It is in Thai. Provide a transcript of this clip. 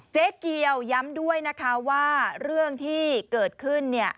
เจ๊เกียวย้ำด้วยนะคะว่าเรื่องที่เกิดขึ้นเนี่ย